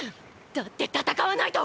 だって戦わないと！！